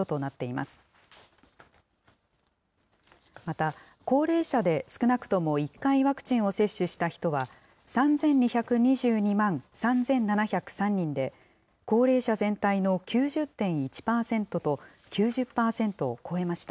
また、高齢者で少なくとも１回ワクチンを接種した人は、３２２２万３７０３人で、高齢者全体の９０．１％と、９０％を超えました。